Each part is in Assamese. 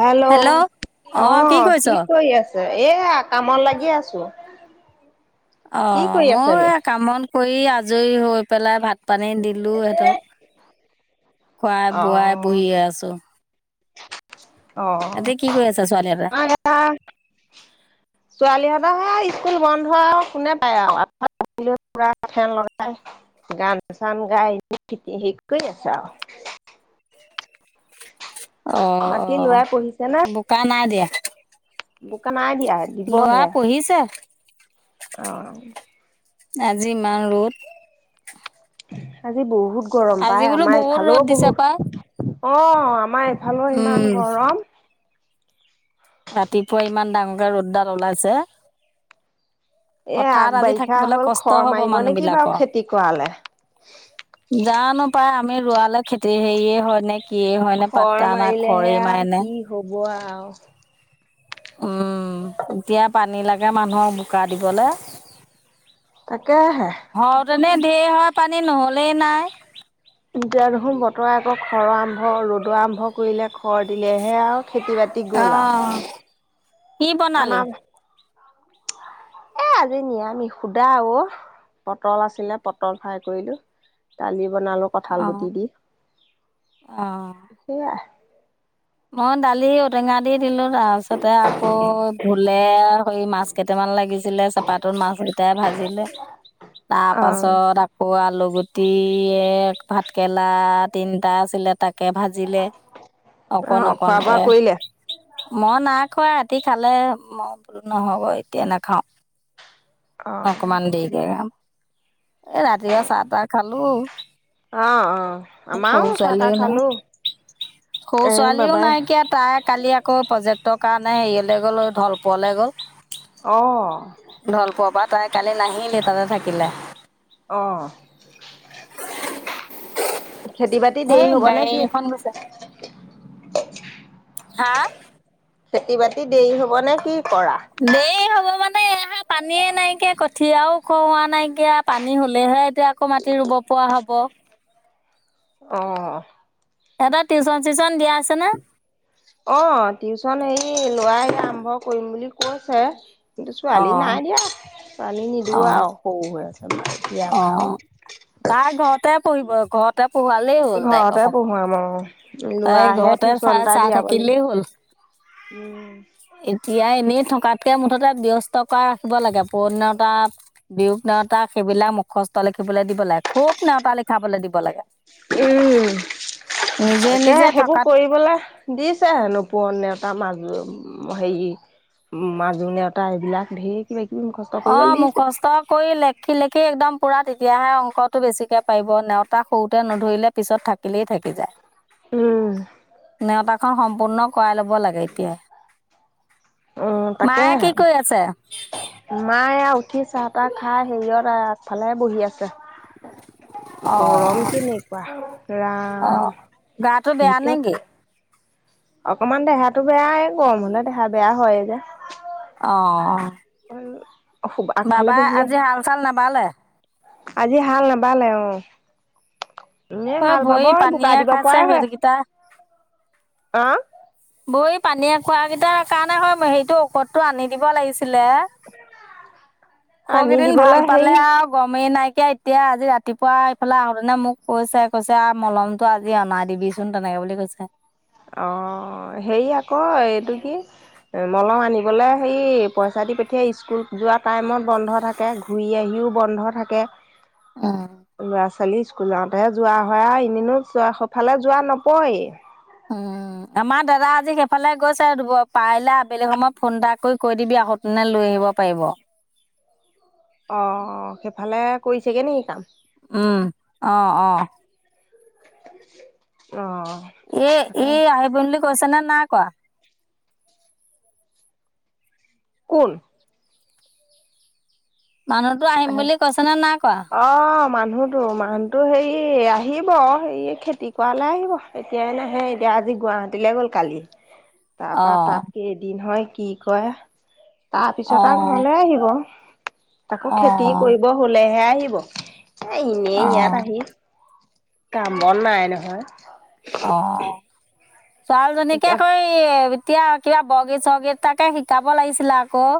হেল্ল' অঁ আহ কৰিছ কি কৰি আছ? এয়া কামত লাগি আছো। কি অ' কৰি মোৰ আছেনো এই কামত কৰি আজৰি হৈ পেলাই ভাত পানী দিলো সিহঁতক। খোৱাই অ বোৱাই বহিয়ে আছো। কৰি আছে ছোৱালীহঁতে অ' ছোৱালীহঁত [unintelligible] স্কুল বন্ধ কোনে পায় আৰু পুৰা ফেন লগাই গান গাই চান গাই [unintelligible] হেৰি কৰি আছে আও। [inaudible] অ', বাকী লৰাই অ', পঢ়িছে বোকা নাই দিয়া। বোকে নাই দিয়া ল'ৰা দিবহে পঢ়িছে অ', আজি ইমান ৰ'দ। আজি বহুত গৰম আজি পায় বোলো আমাৰ বহুত ইফালো ৰ'দ দিছে পাই বহুত অ', আমাৰ এইফালে উম ইমান গৰম। ৰাতিপুৱা ইমান ডাঙৰকে ৰ'দডাল উলাইছে। এ আগ পথাৰত আজি বাৰিষা থাকিবলৈ হ'ল কষ্ট খৰ হব মাৰিব মানুহ নেকি বাৰু বিলাকৰ। খেতি কৰালে জানো পাই আমি ৰোৱালৈ খেতি হেৰিয়ে হয় নে কিয়ে হয়নে খৰ পাতা আমাৰ খৰে মাৰেনে। অ', উম, এতিয়া পানী লাগে মানুহ বোকা দিবলৈ। তাকে হে। এনে ধেৰ হয় পানী নহলেই নাই। এতিয়া দেখোন বতৰে আকৌ খৰ আৰম্ভ ৰ'দ আৰম্ভ কৰিলে খৰ দিলেহে আৰু। খেতি বাতি গ'ল আও অ'। কি বনালি? আমাৰ এ আজি নিয়ামিষ সোধা অ, পটল আছিলে পটল ফ্ৰাই কৰিলো। দালি বনালো কঠাল অ'। গুটি দি সেইয়াই। মন দালি ঔটেঙা দি দিলো তাৰপিছতে আকৌ ভোলে সৰি মাছ কেইটামান লাগিছিলে চেপাতো মাছ টুতা ভাজিলে তাৰ অ। পাছত আকৌ আলু দিয়ে ভাতকেৰেলা তিনিটা আছিলে তাকে ভাজিলে। অ অকণ খোৱা বোৱা অকণকে। কৰিলে? মই নাইখোৱা ৰাতি খালে, মই বলো নহব এতিয়া নাখাও। অ অকমান দি দেগা এ ৰাতিপুৱা চাহ তাহ খালোঁ। অ', অ', আমাৰো চাহ তাহ ছোৱালীও নাই খালোঁ। সৰু ছোৱালীও নাইকিয়া তাই কালি আকৌ যে ত' কাৰণে হেৰিয়ৈ গ'ল ঢলপোৰলৈ গ'ল। অ', ঢলপুৰৰ পৰা তাই কালি নাহিলহে তাতে থাকিলে। অ', খেতি বাতি এই দেৰি হব নে গাড়ী কি? এখন গৈছে হাঁ? খেতি বাতি দেৰি হব নে কি? কৰা? দেই হ'ব মানে এা পানীয়ে নাইকিয়া কঠীয়াও ওখওোৱা নাইকিয়া পানী হলেহে এতিয়া আকৌ মাটি ৰুব পৰা হব। অ'। এটা টিউচন চিউশচন দিয়া আছে নে? অ' টিউচন হেৰি ল ৱাই আৰম্ভ কৰিম বুলি কৈছে। অ ছোৱালী নাই দিয়া, ছোৱালী অ নিদিওঁ আও স ও হৈ আছে। অ [inaudible] পহুৱালেই হ'ল তাইক ঘৰতে অকমান। পঢ়োৱাম আৰু তাই লৰাহে ঘৰতে টিউচন চাই এটা চাই দিয়াব লাগিব। থাকিলেই হ'ল। এতিয়া এনেই থক থকাতকৈ মুঠতে ব্যস্ত কৰাই ৰাখিব লাগে পূৰণ নেওটা বিয়োগ নেওটা সেইবিলাক মুখস্থ লিখিবলৈ দিব লাগে খুব নেওতা লিখাবলৈ দিব লাগে। উম, নিজে তাকে নিজে সেইবোৰ থকাত কৰিবলৈ, দিছে হেনো পূৰণ নেতা। মাজু হেৰি মাজু নেওতা এইবিলাক ধেই অ' মুখষ্ট কৰি লেখি লেখি একদম পুৰা তেতিয়াহে অংকটো বেছিকে পাৰিব নেওতা সৰুতে নধ ইলে পিছত থাকিলেই থাকি যায়। উম। অ' সম্পূৰ্ণ কৰাই ল'ব লাগে এতিয়া। উম তাকেহে। আছে? মায়ে এ উঠি চাহ তাহ খাই হেৰিয়ত আগফালে বহি আছে। [inaudible] গৰম অ' কেনেকুৱা ৰাম আহ গাটো বেয়া ভিতৰত নেকি? অকমান দেহাটো বেয়াই গৰম হলে দেহা বেয়া হয় যে। অ' আগফালে বাবা বহি আজি আছে হাল চাল নাবালে? আজি হাল নাবালে অ'। এ হয় হাল বাব ভৰি বোকা পানীয়ে দিব খাইছে পৰাই হৈ আছে, সেইকেইটা অ'। বৌ পানী এ খোৱা কেইটাৰ কাৰণে হয় হৰিটো ঔষধতটো আনি দিব লাগিছে। সৰু আনি কেইদিন দিবলৈ ভাল হেৰি পালে আৰু গমেই নাই। এতিয়া এতিয়া আজি ৰাতিপুৱা এইফালে আহোতে মোক কৈছে কৈছে আ মলমতটো আজি অনাই দিবিচোন তেনেকে। হেইবুলি কৈছে। অ' হেই আকৌ এইটো কি মলম আনিবলৈ হেৰি পইচা দি পঠিয়াই স্কুল যোৱা টাইমত বন্ধ থাকে ঘূৰি আহি বন্ধ থাকে, উম লৰা ছোৱাল ল'ৰা ছোৱালি স্কুল যাওঁতেহে যোৱা হয় আও এনেনো সেফালে যোৱা নপৰে। উম। আমাৰ দাদা আজি সেইফালে গৈছে পাৰিলে আবেলি সময়ত ফোন এটা কৰি কৈ দিবি তেনে লৈ আহিব। অ' পাৰিব। অ' অ' সেইফালে কৰিছেগে নি কাম? উম আহ আহ। অ'। এ এ তাকে আহিব বুলি কৈছে নে নাই কোৱা? কোন? মানুহতো আহিম বুলি কৈছে ন নাই কোৱা? মানুহটো মানুহটো হেৰি আহিব এই খেতি কৰালে আহিব এতিয়াই নাহে এতিয়া আজি গুৱাহাটীলৈ গ'ল কালি। তাৰপা অ', তাত কেইদিন হয় কি কয়, অ', তাৰপিছত আৰু ঘৰলে আহিব। তাকো খেতি অ', কৰিব হলেহে আহিব, এনেই ইয়াত অ', আহি কাম বন নাই নহয়। অ'। ছোৱালীজনীকে [unintelligible] এতিয়া কিবা বগীত-চগীত তাকে শিকাব লাগিছিল আকৌ।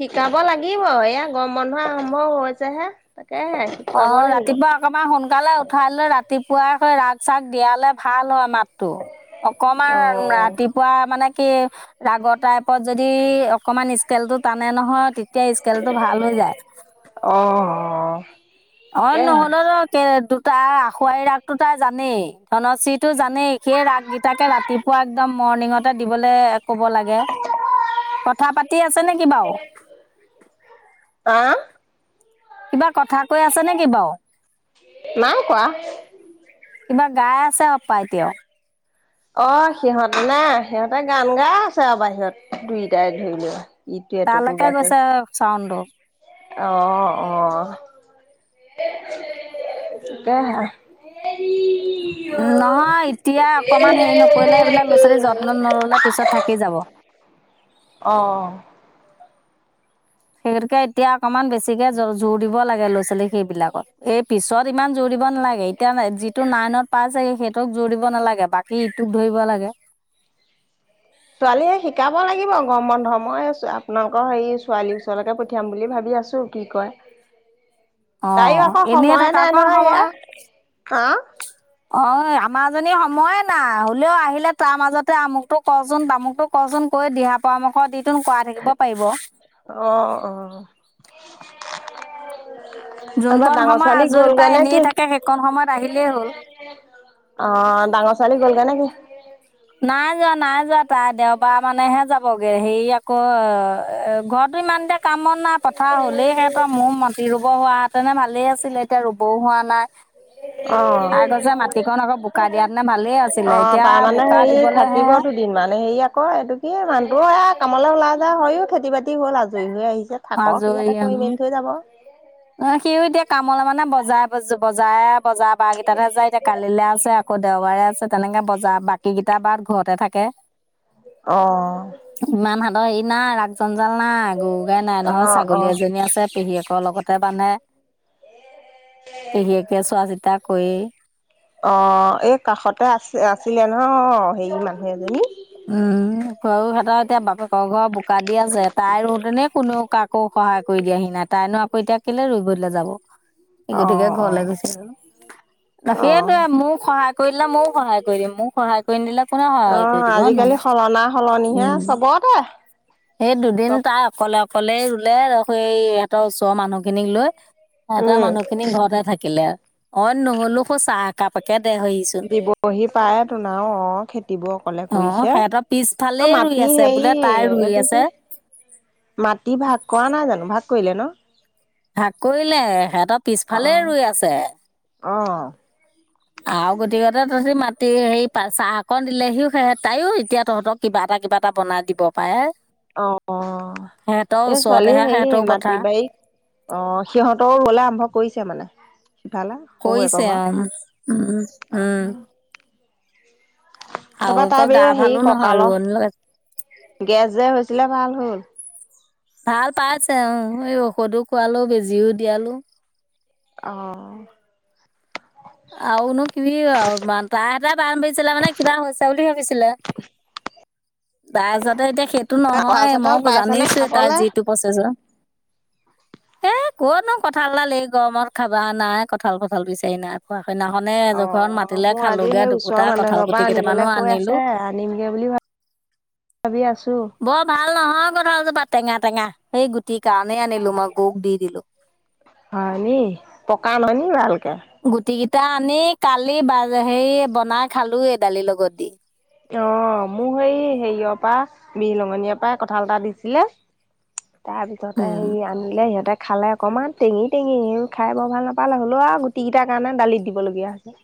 শিকাব লাগিব এয়া গম বন্ধহোৱা আৰম্ভ হৈছে হে। অ ৰাতিপুৱা অকমান সোনকালে উঠাই লৈ ৰাতিুৱ খুৱাকৈ ৰাগ-চাগ দিয়ালে ভাল হয় মাতটো। অকমান অ', ৰাতিপুৱা মানে কি ৰাগৰ টাইপত যদি অকমান স্কেলটো টানে নহয় এতিয়া স্কেল টো ভাল হৈ যায়। অ'। অন তাকেহে। হল কে তাৰ আখুৱাৰ ৰাগতটো তাই জানেই ধনশ্ৰীতটো জানেই সেই ৰাগেইটাকে ৰাতিপুৱা একদম মৰ্ণিঙতে দিবলৈ ক'ব লাগে, কথা পাতি আছে নেকি বাৰু? আহ? কিবা কথা কৈ আছে নেকি বাৰু? নাই কোৱা। কিবা গাই আছে [unintelligible] অ সিহঁতে নে সিহঁতে গান গাই আছে আৰু বাহিৰত। দুইটাই ধৰি লোৱা ইটো এটোকো তালৈকে গাইছে। গৈছে চাউণ্ডটো আহ অ [unintelligible] [inaudible] নহয় এতিয়া অকমান হেৰি নকৰিলে, সেইবিলাক ল'ৰা ছোৱালীৰ যত্ন নললে পিছত থাকি যাব। [inaudible] অহ। সেইগতিকে এতিয়া অকমান বেছিকে জ-জোৰ দিব লাগে ল'ৰা ছোৱালীক সেইবিলাকত। এই পিছত ইমান জৰিব নালাগে, এতিয়া যিটো নাইনত পাইচেগে সেইটোক জৌৰিব নালাগে, বাকী ইটোক ধৰিব লাগে। [inaudible] ছোৱালীহে শিকাব লাগিব গৰম বন্ধত, মই আপোনালোকৰ হেৰি ছোৱালী ওচৰকে পঠিয়াম বুলি ভাবি দিয়াছো কি কয়। অ তাইও আকৌ এনেই সময়ে থকা নাই নহয় [unintelligible] এয়া হা অ আমাৰ জনী সময়ে নাই, হলেও আহিলে তাৰ মাজতে আমুকতটো কচোন তামুকটো কচোন কৰি দিহা পৰামৰ্শ দি তন কৰাই থাকিব পাৰিব। অ', অ', [unintelligible] এইবাৰ যুনকোন ডাঙৰ সময় ছোৱালী আজৰি গ'লগে পাই নে কি? এনেই থাকে, সেইকণ সময়ত আহিলেই হ'ল। অ ডাঙৰ ছোৱালী গ'লগে নেকি? নাই যোৱা নাই যোৱা তাই দেওবাৰ মানেহে যাবগে, হেৰি আকৌ ঘৰত ইমানতে কামত নাই [inaudible] কথা হ'লেই সিহঁতৰ মোৰ মাটি ৰুব হোৱাহেঁতেনে ভালেই আছিলে, এতিয়া ৰুবও হোৱা নাই। অ তাই কৈছে মাটিকণ আকৌ বোকা দিয়াহেঁতেনে ভালেই আছিলে অ এতিয়া তাৰমানে বোকা এই দিবলৈ হে থাকিবতো দিন মানে সেয়া অ এইটো কি মানুহটো এয়া কামলৈ ওলাই যায় হয়ও খেতি বাতি হ'ল আজৰি হৈ আহি যে থাকক আজৰি ইয়াতে কৰি আহো মেল থৈ যাব। অ সিও এতিয়া কামলৈ মানে বজাই ব-বজাই বজাৰ বাৰ কেইটাত হে যায়। এতিয়া কালিলে আছে আকৌ দেওবাৰে আছে, তেনেকে বজাৰ বাকী কেইটা এটা বাৰ ঘৰতে থাকে। অহ। ই নাই, ৰাগ জঞ্জাল নাই, গৰু গাই নাই নহয়, অ' ছাগলী অ' এজনী আছে পেহীয়েকৰ লগত। তাতে মানে, পেহীয়েকে চোৱা চিতা কৰি অ এই কাষতে আছিল-আছিলে ন হেৰি মানুহ এজনী। উম [unintelligible] [unintelligible] কৰি দিয়াহি নাই, তাইনো আকৌ এতিয়া কিলে ৰই গলৈ যাব। সেই অ' গতিকে অ'। ঘৰলৈ গৈছে আৰু। অ' সেইটয়ে মোক সহায় কৰি দিলে মইও সহায় কৰি দিম। মোক সহায় কৰি নিদিলে কোনে সহায় কৰি দি অ' কিয়নো? আজিকালি সলনা সলনিহে উম চবতে সেই দুদিন চব তাই অকলে অকলে লে-ল সেই ইহঁতৰ ওচৰ মানুহ খিনিক লৈ, সিহঁতৰ উম, মানুহ খিনি ঘৰতে থাকিলে। [unintelligible] দিবহি পায় তো নাও অ খেতিবোৰ অকলে অ' কৰিছে। সিহঁতৰ অ পিছফালেই ৰুই মাটি আছে হেৰি, বোলে তাই ৰুই এইটো কি? আছে মাটি ভাগ কৰা নাই জানোঁ, ভাগ কৰিলে ন? ভাগ কৰিলে সিহঁতৰ অ পিছফালে ৰুই আছে। অ আৰু গতিকতে তহঁতি মাটি সেই [unintelligible] তাইয়ো এতিয়া তহঁতৰ কিবা এটা কিবা এটা বনাই দিব পাৰে। অ, অ সিহঁতৰ এ ছোৱালী ওচৰতেহে হেৰি সিহঁতৰো মাটি পথাৰ বাৰীক অ সিহঁতৰো হ'লে আৰম্ভ কৰিছে মানে। তালে, কৰিছে শহুয়েকৰ উম উম উম [unintelligible] আৰু তাৰপৰা আকৌ তাই গা বোলে হেৰি ভালো নহয় ককালৰ ৰোৱনী লগাইছে গেছ যে হৈ ছিলে ভাল হ'ল। ভাল পাইছে অ এই ঔষধো খোৱালো, বেজিও দিয়ালো। অহ আৰু নো কি বুলি কম? বান তাই এটা বাম দিছিলে মানে কিবা হৈছে বুলি ভাবিছি [inaudible] তাৰপিছতে এতিয়া সেইটো কঁঠাল নহয়। চঠাল মই পাইছেনে জানিছোয়ে তাৰ খাবলে যিটো প্ৰচেছৰ [inaudible] এ ক'ত নো কঁঠালডাল এই গৰমত খাবা। নাই, কঁঠাল থঠাল বিচাৰি না অ মোৰ আজি সেই দুপুটা ওচৰৰ মানুহ কঁঠাল এঘৰৰ গুটি পৰা কেইটামানো আনিবলৈ কৈ আনিলো আছে। আনিমগে বুলি ভা ভাবি আছোঁ। বৰ ভাল নহয় কঁঠালজোপা টেঙা টেঙা। সেই গুটিৰ কাৰণে আনিলো মই, গৰুক দি দিলো। হয় নি? পকা আম আনিবা ভাল গুটি কেইটা আনি কালি বাজ হেৰি বনাই খালোয়ে দালিৰ লগত দি। অ মোৰ সেই হেৰিয়ৰ পৰা বিহলঙনিৰ পৰা কঁঠাল এটা দিছিলে। তাৰপিছতে উম, হেৰি আনিলে সিহঁতেক খালে অকণমান টেঙি-টেঙি অ খাই বৰ ভাল নাপালে। হ'লেও আৰু গুটি কেইটাৰ কাৰণে দালিত দিবলগীয়া হৈছে।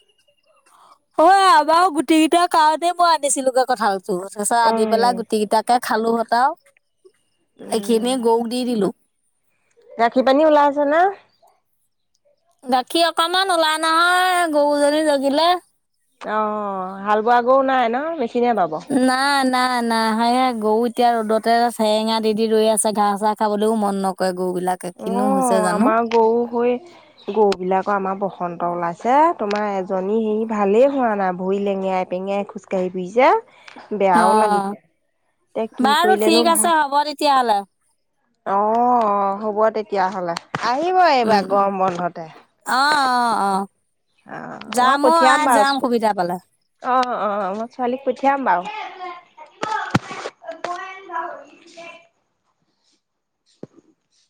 [unintelligible] অই আমাৰো গুটি কেইটাৰ কাৰণে মই আনিছিলোগে কঠালটো। তাৰপিছত আনি পেলাই অ'। গুটি কেইটাকে খালোঁ [unintelligible] এইখিনি গৰুক দি দিলোঁ। গাখীৰ-পানী ওলাইছে নে? গাখীৰ অকমান ওলা নাই গৰুজনী অ হাল বোৱা গৰু নাই ন? মেচিনেৰে বাব। নাই, নহয় এ। গৰু এতিয়া ৰ'দতে চেৰেঙা দি দি ৰৈ আছে। ঘাঁহ চাহ খাবলৈও মন নকৰে। গৰু বিলাকে কিনো অ হৈছে জানো আমাৰ গৰু হৈ গৰু বিলাকৰ আমাৰ বসন্ত ওলাই ছে। তোমাৰ এজনী হেৰি ভালেই হোৱা নাই। ভৰি লেঙেৰাই-পেঙেৰাই খোজকাঢ়ি ফুৰিছে। অ বেয়াও লাগিছে। এতিয়া কি বাৰু কৰিলেনো ঠিক আছে ভাল হ'ব তেতিয়াহ'লে অ হ'ব তেতিয়াহ'লে। আহিব উম এইবাৰ উম গৰম বন্ধতে। অ অ অ মই যাম অ পঠিয়াম আই যাম বাৰুচ অ, সুবিধা পালে অ মই ছোৱালীক পঠিয়াম বাৰু। [unintelligible] [inaudible]